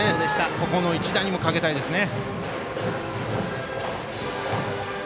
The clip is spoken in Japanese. ここの一打にもかけたいですね。